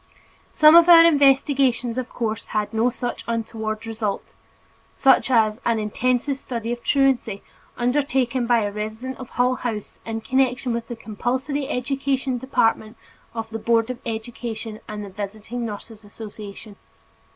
Some of our investigations of course had no such untoward results, such as "An Intensive Study of Truancy" undertaken by a resident of Hull House in connection with the compulsory education department of the Board of Education and the Visiting Nurses Association.